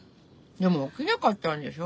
でも起きなかったんでしょ？